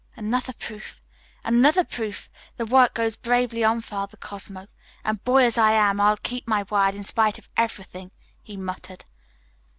"Another proof, another proof! The work goes bravely on, Father Cosmo; and boy as I am, I'll keep my word in spite of everything," he muttered.